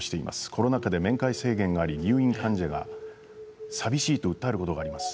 コロナ禍で面会制限があり入院患者が寂しいと訴えることがあります。